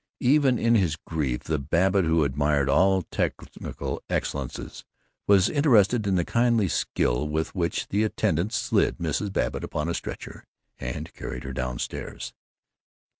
Even in his grief the Babbitt who admired all technical excellences was interested in the kindly skill with which the attendants slid Mrs. Babbitt upon a stretcher and carried her down stairs.